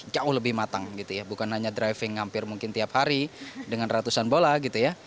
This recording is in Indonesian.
jauh lebih matang gitu ya bukan hanya driving hampir mungkin tiap hari dengan ratusan bola gitu ya